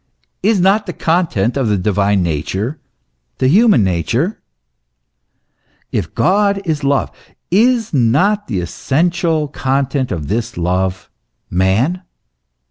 is not the con tent of the divine nature the human nature ? If God is love, is not the essential content of this love, man